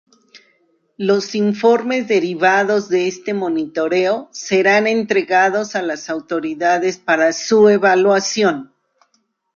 Los informes derivados de este monitoreo serán entregados a las autoridades para su evaluación.